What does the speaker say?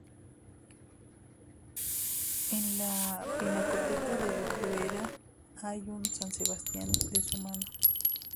En la Pinacoteca de Brera, hay un "San Sebastián" de su mano.